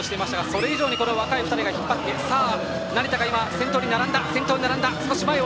それ以上に若い２人が引っ張って成田が先頭に並んだ。